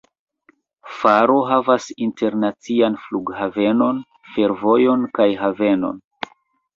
Faro havas internacian flughavenon, fervojon kaj havenon.